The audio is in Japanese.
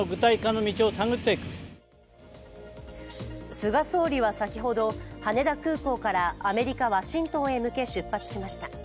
菅総理は先ほど、羽田空港からアメリカ・ワシントンへ向け、出発しました。